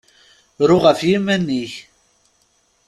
Ru ɣef yiman-ik!